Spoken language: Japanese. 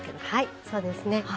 はいそうですね。